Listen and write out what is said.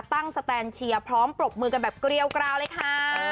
สแตนเชียร์พร้อมปรบมือกันแบบเกรียวกราวเลยค่ะ